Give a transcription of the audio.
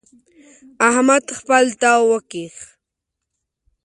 احمد خپل تاو وکيښ.